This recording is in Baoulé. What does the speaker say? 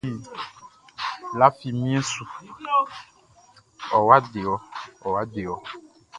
Lafi mien su, ɔwa dewɔ, ɔwa dewɔ!